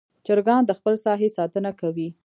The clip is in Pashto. چرګان د خپل ساحې ساتنه کوي.